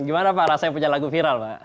gimana pak rasanya punya lagu viral pak